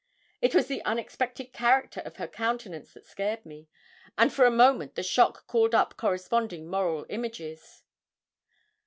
It was the unexpected character of her countenance that scared me, and for a moment the shock called up corresponding moral images.